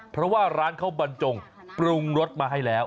เพราะว่าร้านเขาบรรจงปรุงรสมาให้แล้ว